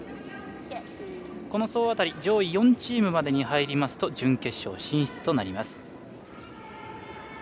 この総当たり上位４チームまでに入ると準決勝進出となります。